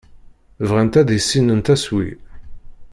Bɣant ad issinent asewwi.